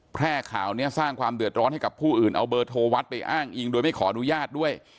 แพร่ข่าวนี้สร้างความเดือดร้อนให้กับผู้อื่นเอาเบอร์โทรวัดไปอ้างอิงโดยไม่ขออนุญาตด้วย